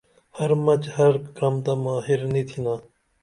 ہرمچ ہرکرمتہ ماہر نی تھینا